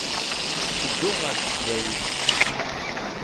Ttedduɣ ɣer tesdawit.